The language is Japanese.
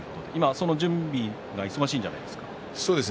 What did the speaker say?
その準備が忙しいんじゃないですか。